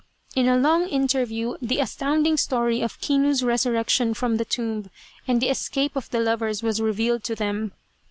In a long interview the astounding story of Kinu's resurrection from the tomb and the escape of the lovers was revealed to them.